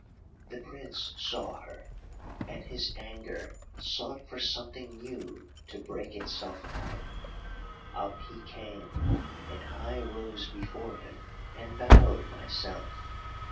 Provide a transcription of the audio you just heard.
"The Prince saw her, and his anger sought for something new to break itself on. Up he came, and I rose before him, and bowed myself.